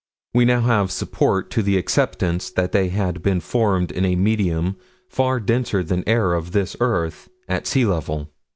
We now have support to the acceptance that they had been formed in a medium far denser than air of this earth at sea level.